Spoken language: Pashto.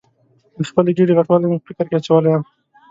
د خپلې ګېډې غټوالی مې په فکر کې اچولې یم.